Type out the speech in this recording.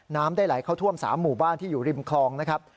น้ำได้ไหลเข้าท่วม๓หมู่บ้านที่อยู่ริมคลองนะครับ